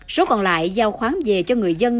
số còn lại giao khoáng về cho người dân